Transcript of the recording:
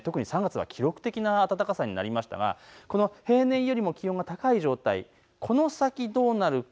特に３月は記録的な暖かさになりましたが平均よりも気温が高い状態、この先どうなるか。